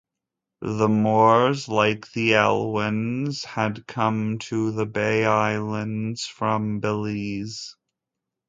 The Moores like the Elwins had come to the Bay Islands from Belize.